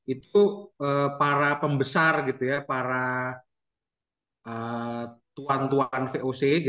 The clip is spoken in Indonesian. itu para pembesar para tuan tuan voc